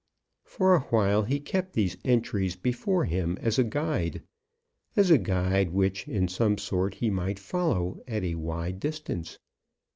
For awhile he kept these entries before him as a guide as a guide which in some sort he might follow at a wide distance.